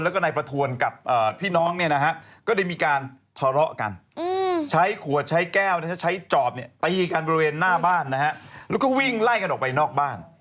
แล้วก็วิ่งไล่กันออกไปนอกบ้าน